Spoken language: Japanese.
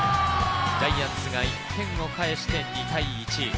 ジャイアンツが１点を返して２対１。